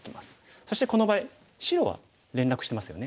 そしてこの場合白は連絡してますよね。